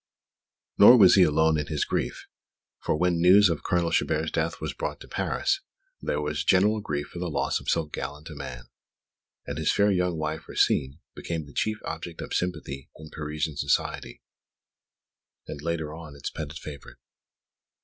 Nor was he alone in his grief for when the news of Colonel Chabert's death was brought to Paris, there was general grief for the loss of so gallant a man; and his fair young wife, Rosine, became the chief object of sympathy in Parisian society, and, later on, its petted favourite.